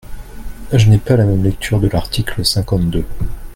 Je n’ai pas la même lecture de l’article cinquante-deux.